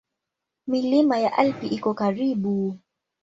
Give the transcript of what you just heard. Milima ya Alpi iko karibu.